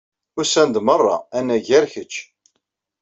Usan-d merra anagar kečč.